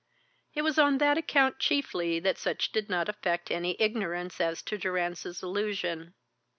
It was on that account chiefly that Sutch did not affect any ignorance as to Durrance's allusion.